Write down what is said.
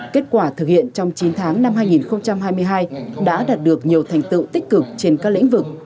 kết quả thực hiện trong chín tháng năm hai nghìn hai mươi hai đã đạt được nhiều thành tựu tích cực trên các lĩnh vực